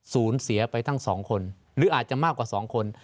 สูญเสียไปตั้งสองคนหรืออาจจะมากกว่าสองคน